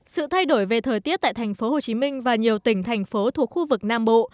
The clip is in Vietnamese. sự thay đổi về thời tiết tại tp hcm và nhiều tỉnh thành phố thuộc khu vực nam bộ